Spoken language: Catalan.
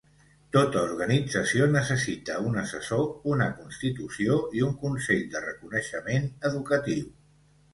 Tota organització necessita un assessor, una constitució i un consell de reconeixement educatiu.